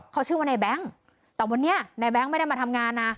เขาชื่อว่าในแบงค์แต่วันนี้นายแบงค์ไม่ได้มาทำงานนะ